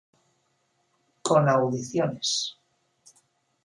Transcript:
Con audiciones.